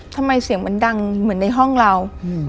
ทำไมเสียงมันดังเหมือนในห้องเรา